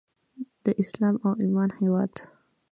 د اسلام او ایمان هیواد.